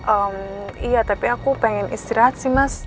eh iya tapi aku pengen istirahat sih mas